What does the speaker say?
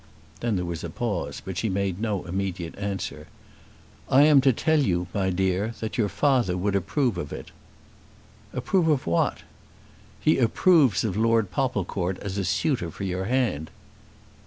Then there was a pause, but she made no immediate answer. "I am to tell you, my dear, that your father would approve of it." "Approve of what?" "He approves of Lord Popplecourt as a suitor for your hand."